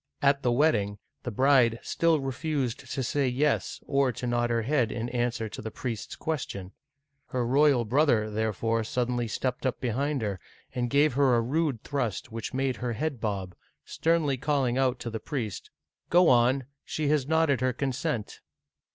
At the wedding, the bride still refused to say "yes," or to nod her head in answer to the priest's question. Her royal brother, there fore suddenly stepped up behind her, and gave her a rude Digitized by Google 26o OLD FRANCE thrust which made her head bob, sternly calling out to the priest, " Go on, she has nodded her consent